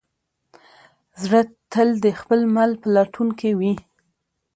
زړه تل د خپل مل په لټون کې وي.